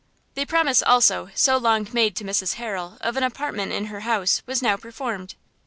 The promise, also, so long made to Mrs Harrel of an apartment in her house, was now performed.